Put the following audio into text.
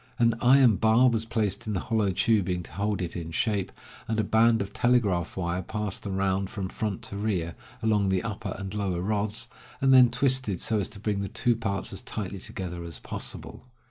An iron bar was placed in the hollow tubing to hold it in shape, and a band of telegraph wire passed round from front to rear, along the upper and lower rods, and then twisted so as to bring the two parts as tightly together as possible.